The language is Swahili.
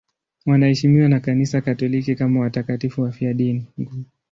Wanaheshimiwa na Kanisa Katoliki kama watakatifu wafiadini.